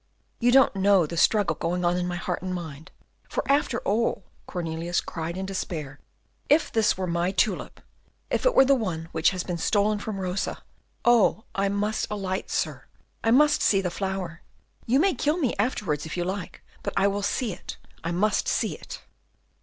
You don't know the struggle going on in my heart and mind. For after all," Cornelius cried in despair, "if this were my tulip, if it were the one which has been stolen from Rosa! Oh, I must alight, sir! I must see the flower! You may kill me afterwards if you like, but I will see it, I must see it."